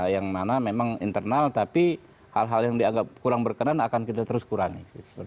yang mana memang internal tapi hal hal yang dianggap kurang berkenan akan kita terus kurangi